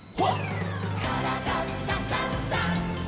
「からだダンダンダン」